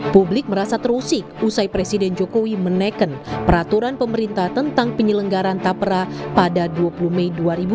publik merasa terusik usai presiden jokowi menekan peraturan pemerintah tentang penyelenggaran tapera pada dua puluh mei dua ribu dua puluh